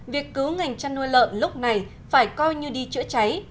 việc cứu ngành chăn nuôi lợn lúc này phải coi như đi chữa cháy